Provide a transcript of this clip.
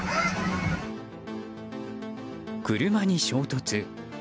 車に衝突。